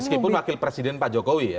meskipun wakil presiden pak jokowi ya